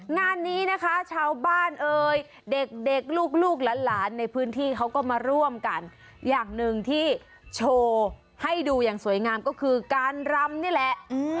งานนี้นะคะชาวบ้านเอ่ยเด็กเด็กลูกลูกหลานในพื้นที่เขาก็มาร่วมกันอย่างหนึ่งที่โชว์ให้ดูอย่างสวยงามก็คือการรำนี่แหละ